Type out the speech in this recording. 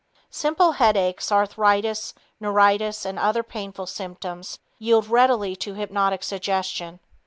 Simple headaches, arthritis, neuritis and other painful symptoms yield readily to hypnotic suggestion.